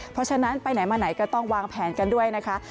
เพราะฉะนั้นไปไหนมาไหนก็ต้องวางแผนกันด้วยนะคะ